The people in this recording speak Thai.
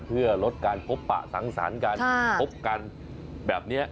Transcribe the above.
เพื่อลดการพบปะสังสรรค์กันพบกันแบบนี้